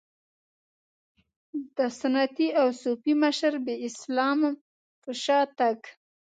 د سنتي او صوفي مشربي اسلام په شا تګ.